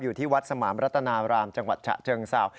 อยู่ที่วัดสมามรัตนารามจังหวัดฉะเชิงเศร้า